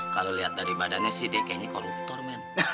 kalau lihat dari badannya sih dia kayaknya koruptor men